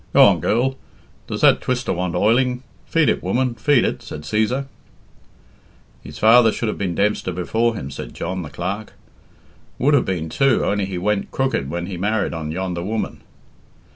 "Go on, girl. Does that twister want oiling? Feed it, woman, feed it," said Cæsar. "His father should have been Dempster before him," said John, the clerk. "Would have been too, only he went crooked when he married on yonder woman.